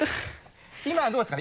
今どうですか？